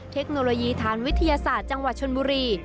เทคโนโลยีฐานวิทยาศาสตร์จังหวัดชนบุรี